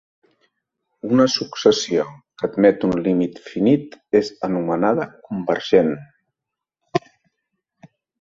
Una successió que admet un límit finit és anomenada convergent.